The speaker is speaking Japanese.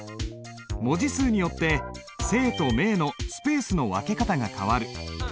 文字数によって姓と名のスペースの分け方が変わる。